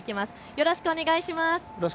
よろしくお願いします。